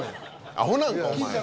アホなんかお前。